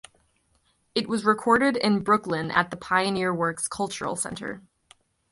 It was recorded in Brooklyn at the Pioneer Works cultural center.